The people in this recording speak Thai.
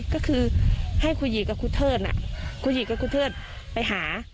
ก็คือให้คุยกับคุยเทิดคุยกับคุยเทิดไปหา